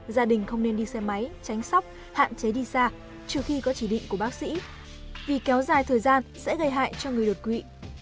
gia đình không nên đi xe máy tránh sóc hạn chế đi xa trừ khi có chỉ định của bác sĩ vì kéo dài thời gian sẽ gây hại cho người đột quỵ